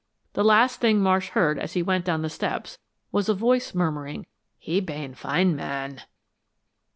The last thing Marsh heard as he went down the steps, was a voice murmuring, "He bane fine man."